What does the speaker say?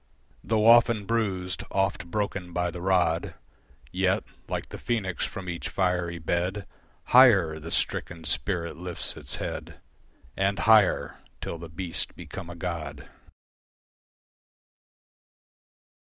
Though often bruised, oft broken by the rod, Yet, like the phoenix, from each fiery bed Higher the stricken spirit lifts its head And higher till the beast become a god.